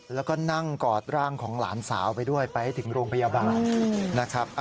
แล้วก็นั่งกอดร่างของหลานสาวไปด้วยไปให้ถึงโรงพยาบาลนะครับ